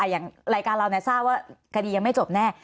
อย่างรายการเราทราบว่าคดียังไม่จบแน่